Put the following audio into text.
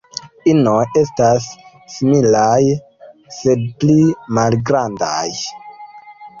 Inoj estas similaj, sed pli malgrandaj.